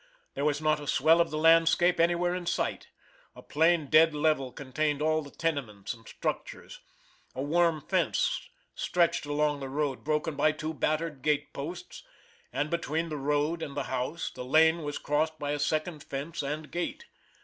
There was not a swell of the landscape anywhere in sight. A plain dead level contained all the tenements and structures. A worm fence stretched along the road broken by two battered gate posts, and between the road and the house, the lane was crossed by a second fence and gate.